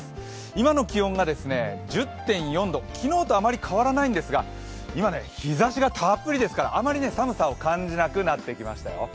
今の気温が１０．４度、昨日とあまり変わらないんですが、今、日ざしがたっぷりですからあまり寒さを感じなくなってきましたよ。